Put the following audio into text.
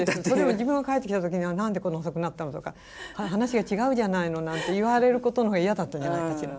自分が帰ってきた時に「何でこんな遅くなったの？」とか「話が違うじゃないの」なんて言われることのほうが嫌だったんじゃないかしら。